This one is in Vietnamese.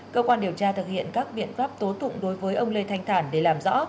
cơ quan điều tra thực hiện các biện pháp tố tụng đối với ông lê thanh thản để làm rõ